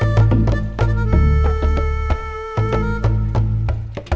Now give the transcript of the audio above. emangnya tadi kita ngapain atuk